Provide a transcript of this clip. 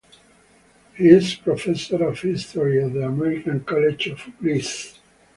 He is professor of History at the American College of Greece.